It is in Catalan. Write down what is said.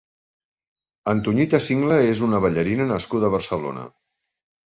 Antoñita Singla és una ballarina nascuda a Barcelona.